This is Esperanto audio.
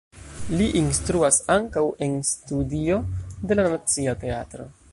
Li instruas ankaŭ en studio de la Nacia Teatro.